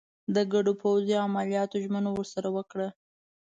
د ګډو پوځي عملیاتو ژمنه ورسره وکړه.